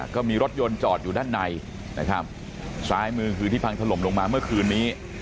ก็มีรถยนต์จอดอยู่ด้านในนะครับซ้ายมือคือที่พังถล่มลงมาเมื่อคืนนี้